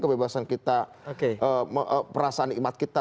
kebebasan kita perasaan nikmat kita